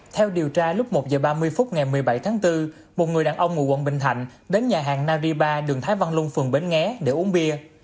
theo điều tra lúc một giờ ba mươi phút ngày một mươi bảy tháng bốn một người đàn ông ngủ quận bình thạnh đến nhà hàng naripa đường thái văn luân phường bến nghé để uống bia